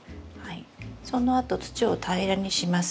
そのあと土を平らにします。